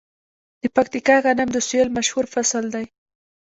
د پکتیکا غنم د سویل مشهور فصل دی.